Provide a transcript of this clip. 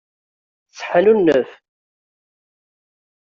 Seḥnunef.